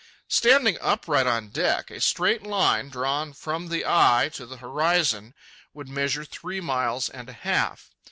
Standing upright on deck, a straight line drawn from the eye to the horizon would measure three miles and a half.